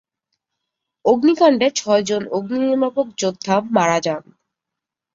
অগ্নিকাণ্ডে ছয়জন অগ্নিনির্বাপক যোদ্ধা মারা যান।